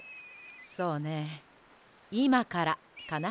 そうねいまからかな。